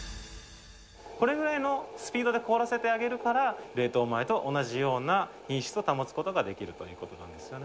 これぐらいのスピードで凍らせてあげるから、冷凍前と同じような品質を保つことができるということなんですよ